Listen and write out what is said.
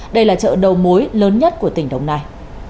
đây là chợ đầu mối lớn nhất của tỉnh đồng nai